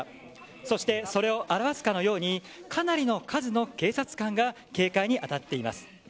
そして、それを表すかのようにかなりの数の警察官が警戒に当たっています。